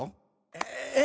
ええ。